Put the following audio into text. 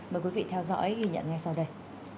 mời quý vị theo dõi ghi nhận ngay sau đây